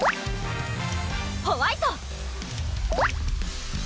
ホワイト！